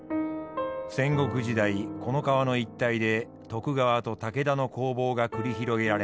戦国時代この川の一帯で徳川と武田の攻防が繰り広げられました。